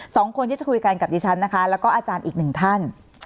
สองคนที่จะคุยกันกับดิฉันนะคะแล้วก็อาจารย์อีกหนึ่งท่าน